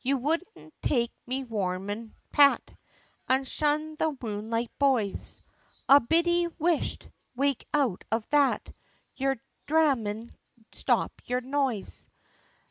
You wouldn't take me warnin', Pat, An' shun the moonlight boys," "Ah! Biddy whisht! wake out of that, You're dhramin'! stop yer noise!